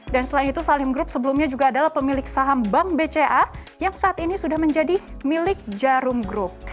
dan selain itu salim group sebelumnya juga adalah pemilik saham bank bca yang saat ini sudah menjadi milik jarum group